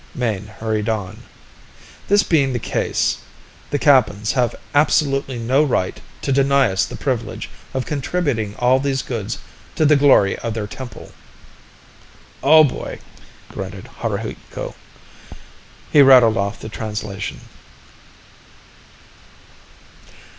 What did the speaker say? Mayne hurried on. "This being the case, the Kappans have absolutely no right to deny us the privilege of contributing all these goods to the glory of their temple!" "Oh, boy!" grunted Haruhiku. He rattled off the translation.